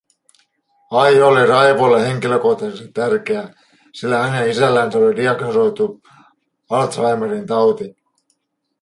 Aihe oli Raivolle henkilökohtaisesti tärkeä, sillä hänen isällänsä oli diagnosoitu Alzheimerin tauti.